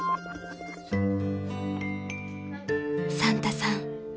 ［サンタさん